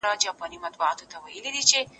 سیاست په ټولنه کي دوامداره هڅه نه ده.